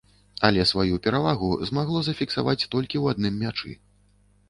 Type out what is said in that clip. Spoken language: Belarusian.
Але сваю перавагу змагло зафіксаваць толькі ў адным мячы.